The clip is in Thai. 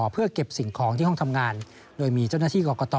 เพื่อเก็บสิ่งของที่ห้องทำงานโดยมีเจ้าหน้าที่กรกต